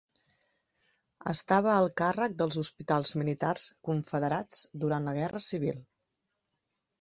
Estava al càrrec dels hospitals militars confederats durant la guerra civil.